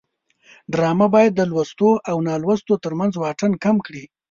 ډرامه باید د لوستو او نالوستو ترمنځ واټن کم کړي